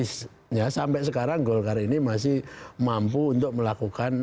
at least ya sampai sekarang golkar ini masih mampu untuk melakukan